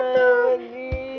itu papa tuh